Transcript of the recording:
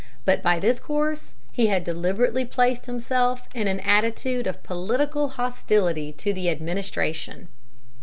But by this course he deliberately placed himself in an attitude of political hostility to the administration.